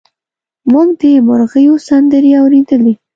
موږ د مرغیو سندرې اورېدلې.